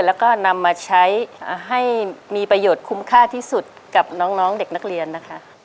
แล้วก็นำมาใช้ให้มีประโยชน์คุ้มค่าที่สุดกับน้องเด็กนักเรียนนะคะ